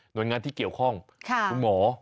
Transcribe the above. โดยงานที่เกี่ยวข้องคุณหมอ